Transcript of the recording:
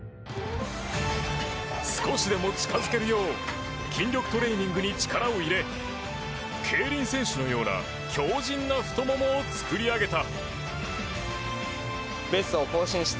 少しでも近づけるよう筋力トレーニングに力を入れ競輪選手のような強靭な太ももを作り上げた。